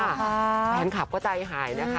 เพราะฉะนั้นขับก็ใจหายนะคะ